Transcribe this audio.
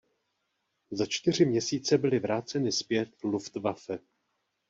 Za čtyři měsíce byly vráceny zpět Luftwaffe.